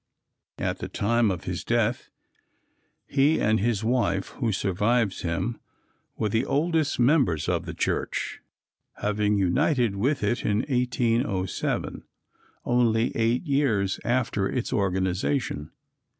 At the time of his death he and his wife, who survives him, were the oldest members of the church, having united with it in 1807, only eight years after its organization.